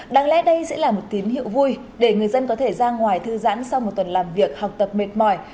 đáng lẽ đây sẽ là một tín hiệu vui để người dân có thể ra ngoài thư giãn sau một tuần làm việc học tập mệt mỏi